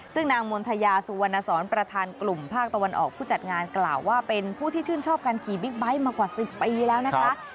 ซึ่งนางมณฑยาสุวรรณสอนประธานกลุ่มภาคตะวันออกผู้จัดงานกล่าวว่าเป็นผู้ที่ชื่นชอบการขี่บิ๊กไบท์มากว่า๑๐ปีแล้วนะคะ